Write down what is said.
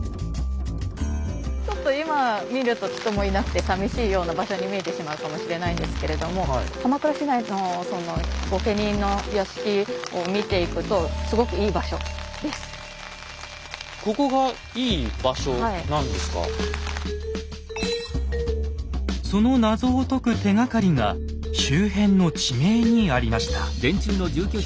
ちょっと今見ると人もいなくてさみしいような場所に見えてしまうかもしれないんですけれども鎌倉市内の御家人の屋敷を見ていくとその謎を解く手がかりが周辺の地名にありました。